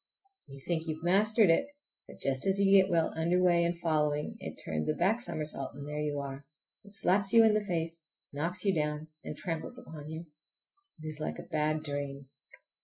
You think you have mastered it, but just as you get well under way in following, it turns a back somersault and there you are. It slaps you in the face, knocks you down, and tramples upon you. It is like a bad dream.